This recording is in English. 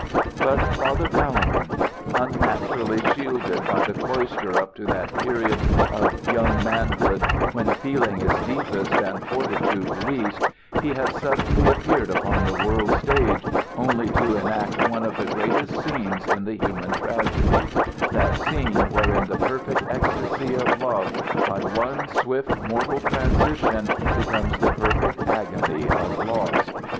But Father Palemon. Unnaturally shielded by the cloister up to that period of young manhood when feeling is deepest and fortitude least, he had suddenly appeared upon the world's stage only to enact one of the greatest scenes in the human tragedy that scene wherein the perfect ecstasy of love by one swift, mortal transition becomes the perfect agony of loss.